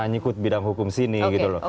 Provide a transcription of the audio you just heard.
menyikut bidang hukum sini gitu loh